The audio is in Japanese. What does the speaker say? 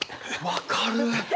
分かる！